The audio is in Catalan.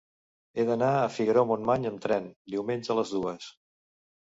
He d'anar a Figaró-Montmany amb tren diumenge a les dues.